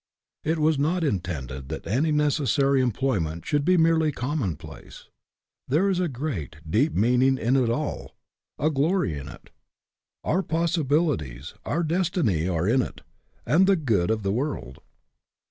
It was not intended that any necessary employment should be merely commonplace. There is a great, deep meaning in it all a 82 SPIRIT IN WHICH YOU WORK glory in it. Our possibilities, our destiny are in it, and the good of the world.